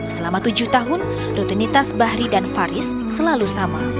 selama tujuh tahun rutinitas bahri dan faris selalu sama